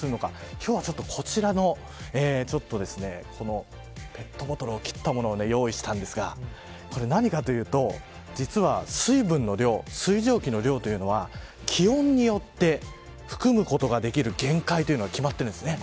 今日は、こちらのペットボトルを切ったものを用意したんですがこれ何かというと実は水分の量、水蒸気の量というのは気温によって、含むことができる限界というのが決まっているんです。